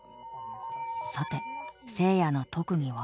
さてせいやの特技は。